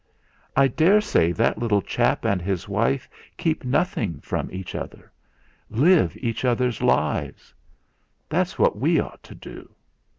I daresay that little chap and his wife keep nothing from each other live each other's lives. That's what we ought to do.